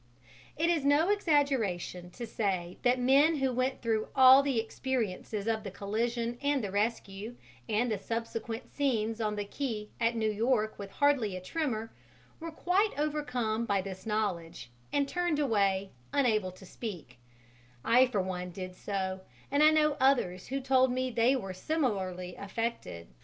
It is no exaggeration to say that men who went through all the experiences of the collision and the rescue and the subsequent scenes on the quay at New York with hardly a tremor, were quite overcome by this knowledge and turned away, unable to speak; I for one, did so, and I know others who told me they were similarly affected.